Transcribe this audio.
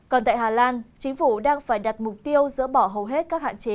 còn tại hà lan chính phủ đang phải đặt mục tiêu dỡ bỏ hầu hết các hạn chế